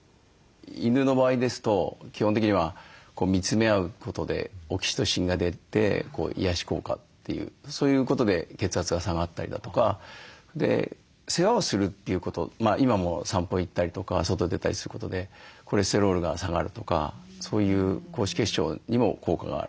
犬の場合ですと基本的には見つめ合うことでオキシトシンが出て癒やし効果というそういうことで血圧が下がったりだとか世話をするということ今も散歩行ったりとか外へ出たりすることでコレステロールが下がるとかそういう高脂血症にも効果がある。